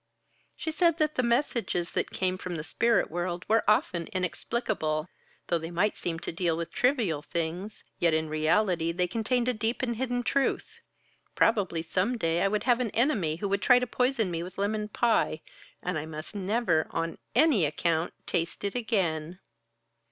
She said that the messages that came from the spirit world were often inexplicable; though they might seem to deal with trivial things, yet in reality they contained a deep and hidden truth. Probably some day I would have an enemy who would try to poison me with lemon pie, and I must never, on any account, taste it again."